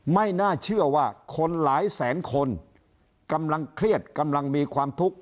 ไม่น่าเชื่อว่าคนหลายแสนคนกำลังเครียดกำลังมีความทุกข์